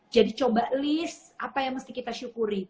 jadi coba list apa yang mesti kita syukuri